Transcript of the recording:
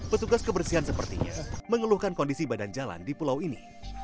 petugas kebersihan sepertinya mengeluhkan kondisi badan jalan di pulau ini